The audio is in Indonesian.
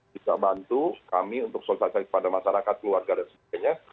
bisa bantu kami untuk sosialisasi kepada masyarakat keluarga dan sebagainya